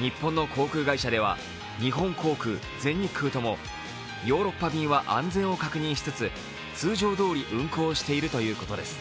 日本の航空会社では日本航空、全日空ともヨーロッパ便は安全を確認しつつ、通常どおり運航しているということです。